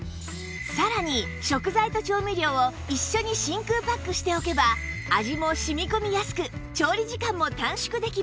さらに食材と調味料を一緒に真空パックしておけば味も染み込みやすく調理時間も短縮できます